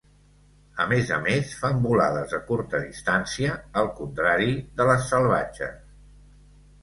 A més a més, fan volades de curta distància, al contrari de les salvatges.